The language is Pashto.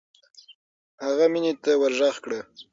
هغه مينې ته ورږغ کړه.